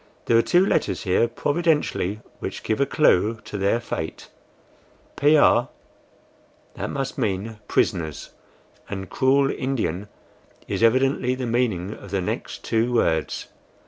There are two letters here providentially which give a clew to their fate PR, that must mean prisoners, and CRUEL INDIAN is evidently the meaning of the next two words.